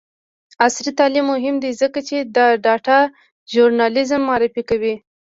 عصري تعلیم مهم دی ځکه چې د ډاټا ژورنالیزم معرفي کوي.